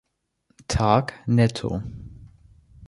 Tag netto.